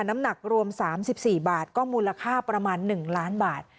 น้ำหนักรวมสามสิบสี่บาทก็มูลค่าประมาณหนึ่งล้านบาท